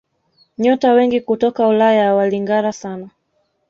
nyota wengi kutoka Ulaya walingara sana